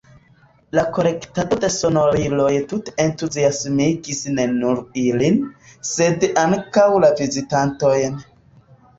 La kolektado de sonoriloj tute entuziasmigis ne nur ilin, sed ankaŭ la vizitantojn.